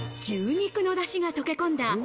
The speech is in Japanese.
牛肉のダシが溶け込んだ